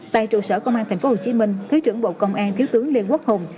tại trụ sở công an thành phố hồ chí minh thứ trưởng bộ công an thiếu tướng lê quốc hùng